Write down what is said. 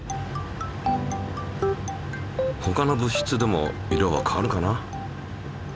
ほかの物質でも色は変わるかな？